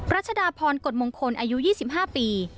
รัชดาพรกฎมงคลอายุ๒๕ปี